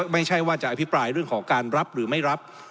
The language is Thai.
ไม่ใช่ว่าจะอภิปรายเรื่องของการรับหรือไม่รับ